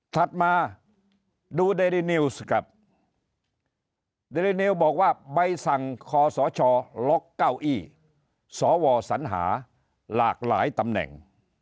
ถัดมาดูเดรินิวส์ครับเดรินิวส์บอกว่าใบสั่งขสชลกอสวศหลากหลายตำแหน่ง